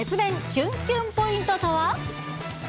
キュンキュンポイントとは？